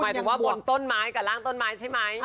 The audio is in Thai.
หมายถึงบนต้นไม้กับร่างต้นไม้ใช่ไหม